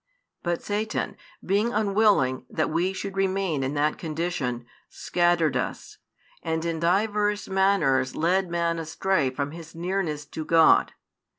But Satan, being unwilling that we should remain in that condition, scattered us, and in divers manners led man astray from his nearness to God.